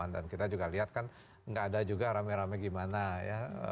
kita juga lihat kan nggak ada juga rame rame gimana ya